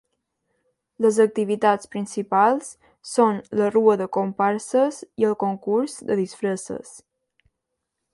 Les activitats principals són la rua de comparses i el concurs de disfresses.